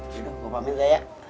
ya udah gue pamit dah ya